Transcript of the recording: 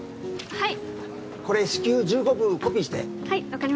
はい。